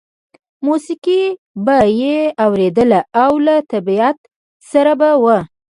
موسیقي به یې اورېدله او له طبیعت سره به و